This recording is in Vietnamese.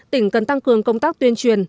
tỉnh cần tăng cường công tác tuyên truyền